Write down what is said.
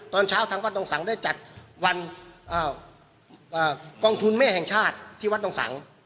ตอนเช้าทางวัดดงสังได้จัดวันกองทุนแม่แห่งชาติที่วัดดงสัง